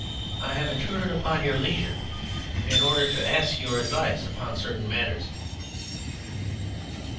I have intruded upon your leisure in order to ask your advice upon certain matters."